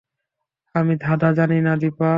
আমি ধাঁধা জানি না দিপা।